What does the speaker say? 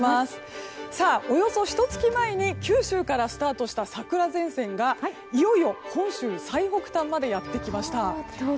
およそ、ひと月前に九州からスタートした桜前線がいよいよ本州最北端までやってきました。